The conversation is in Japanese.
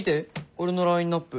俺のラインナップ。